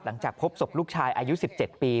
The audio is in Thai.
หลังจากพบศพลูกชายอายุ๑๗ปี